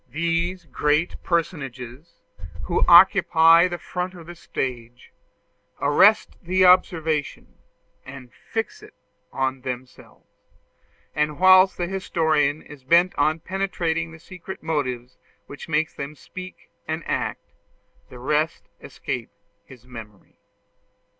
These great personages, who occupy the front of the stage, arrest the observation, and fix it on themselves; and whilst the historian is bent on penetrating the secret motives which make them speak and act, the rest escape his memory.